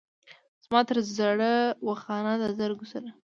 زما تر زړه و خانه د زرګو سره.